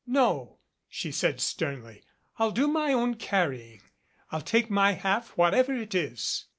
"No," she said sternly, "I'll do my own carrying. I'll take my half, whatever it is."